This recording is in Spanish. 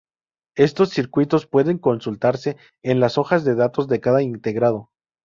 Estos circuitos pueden consultarse en las hojas de datos de cada integrado.